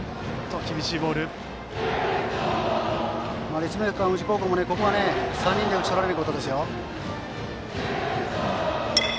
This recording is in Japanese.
立命館宇治高校もここは３人で打ち取られないことですよ。